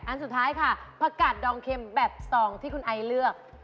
อันสุดท้ายค่ะผักกาดดองเข็มแบบซองที่คุณไอเลือก